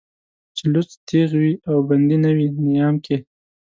چې لوڅ تېغ وي او بندي نه وي نيام کې